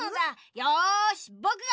よしぼくが！